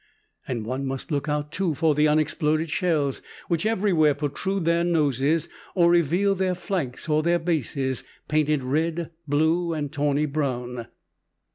And one must look out, too, for the unexploded shells, which everywhere protrude their noses or reveal their flanks or their bases, painted red, blue, and tawny brown.